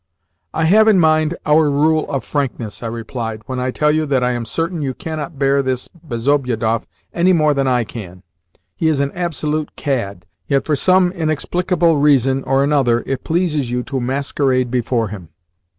"I have in mind our rule of frankness," I replied, "when I tell you that I am certain you cannot bear this Bezobiedoff any more than I can. He is an absolute cad, yet for some inexplicable reason or another it pleases you to masquerade before him."